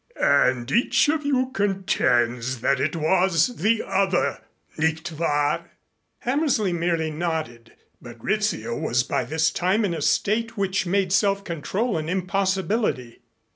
"And each of you contends that it was the other, nicht wahr?" Hammersley merely nodded, but Rizzio was by this time in a state which made self control an impossibility.